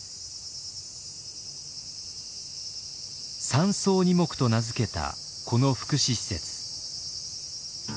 「三草二木」と名付けたこの福祉施設。